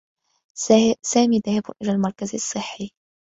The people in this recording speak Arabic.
سامي ذاهب إلى المركز الصّحّي.